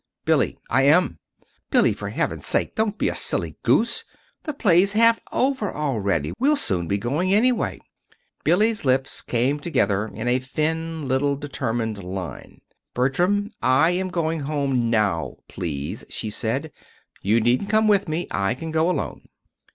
"Billy!" "I am." "Billy, for heaven's sake don't be a silly goose! The play's half over already. We'll soon be going, anyway." Billy's lips came together in a thin little determined line. "Bertram, I am going home now, please," she said. "You needn't come with me; I can go alone."